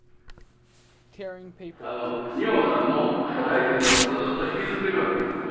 仁王さんの課題っていうのはずっと引きずってるわけや。